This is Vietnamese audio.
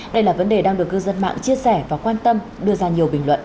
đây là vấn đề đang được cư dân mạng chia sẻ và quan tâm đưa ra nhiều bình luận